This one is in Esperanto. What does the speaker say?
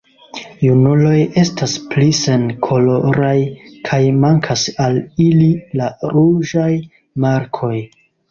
Junuloj estas pli senkoloraj kaj mankas al ili la ruĝaj markoj.